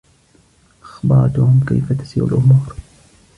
أخبرتهم كيف تسير الأمور.